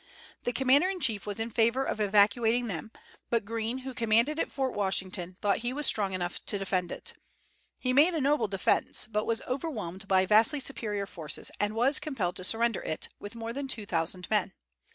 The commander in chief was in favor of evacuating them, but Greene, who commanded at Fort Washington, thought he was strong enough to defend it. He made a noble defence, but was overwhelmed by vastly superior forces and was compelled to surrender it, with more than two thousand men.